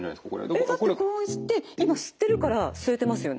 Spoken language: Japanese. えっだってこうして今吸ってるから吸えてますよね。